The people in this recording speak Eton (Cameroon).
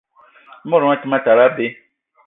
I mot gnion a te ma tal abei